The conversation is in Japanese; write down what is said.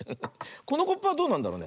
このコップはどうなんだろうね。